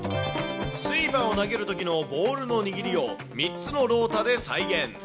スイーパーを投げるときのボールの握りを３つのロータで再現。